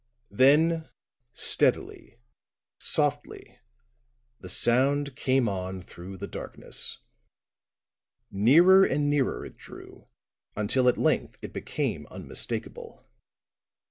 Then steadily, softly the sound came on through the darkness; nearer and nearer it drew until at length it became unmistakable.